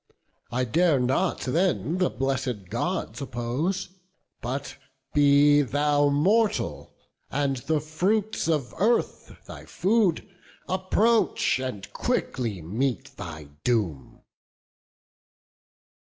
I dare not then the blessed Gods oppose; But be thou mortal, and the fruits of earth Thy food, approach, and quickly meet thy doom."